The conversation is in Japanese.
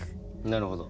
なるほど。